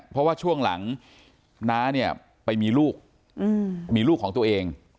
เพราะว่าช่วงหลังน้าเนี่ยไปมีลูกมีลูกของตัวเอง